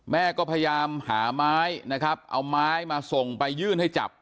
แม่ก็พยายามหาไม้นะครับเอาไม้มาส่งไปยื่นให้จับ